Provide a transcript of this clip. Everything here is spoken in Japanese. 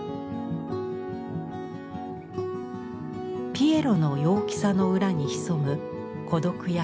ピエロの陽気さの裏に潜む孤独や悲しみ。